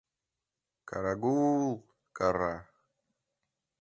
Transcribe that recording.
«Карагу-ул!» — кара.